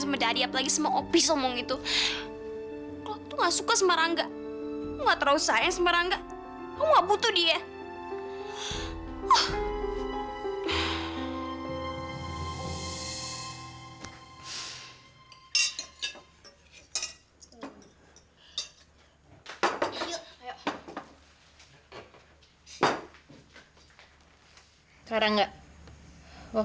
sebagai orang yang saya kenal